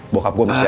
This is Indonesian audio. bokap gue masih ada